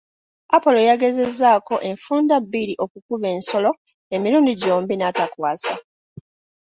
Apolo yagezaako enfunda bbiri okukuba ensolo, emirundi gyombi n'atakwasa.